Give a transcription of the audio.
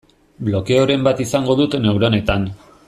Blokeoren bat izango dut neuronetan.